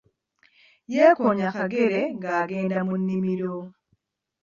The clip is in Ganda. Yeekoonye akagere ng'agenda mu nnimiro.